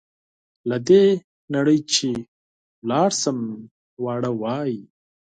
له دې دنیا چې لاړ شم واړه وایي.